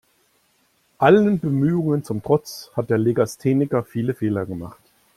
Allen Bemühungen zum Trotz hat der Legastheniker viele Fehler gemacht.